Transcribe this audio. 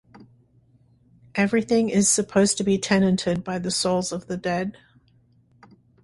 Everything is supposed to be tenanted by the souls of the dead.